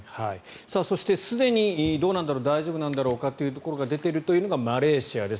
そして、すでに大丈夫なんだろうかというところが出ているというのがマレーシアです。